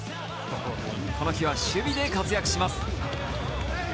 この日は守備で活躍します。